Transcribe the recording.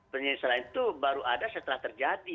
penyesalan itu baru ada setelah terjadi ya